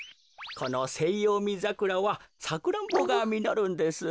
このセイヨウミザクラはサクランボがみのるんです。